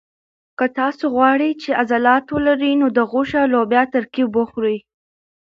که تاسي غواړئ چې عضلات ولرئ نو د غوښې او لوبیا ترکیب وخورئ.